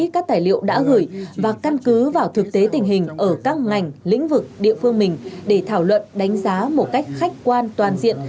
các tài liệu đã gửi và căn cứ vào thực tế tình hình ở các ngành lĩnh vực địa phương mình để thảo luận đánh giá một cách khách quan toàn diện